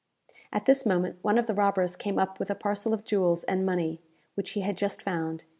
At this moment one of the robbers came up with a parcel of jewels and money, which he had just found.